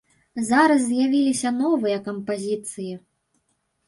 Зараз з'явіліся новыя кампазіцыі.